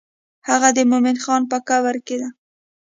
هغه د مومن خان په قبر کې ده.